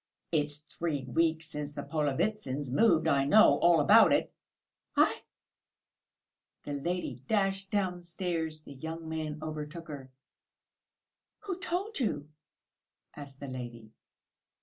"It's three weeks since the Polovitsyns moved! I know all about it!" "Aïe!" The lady dashed downstairs. The young man overtook her. "Who told you?" asked the lady.